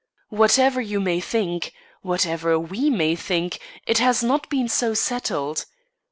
Whatever you may think, whatever we may think, it has not been so settled.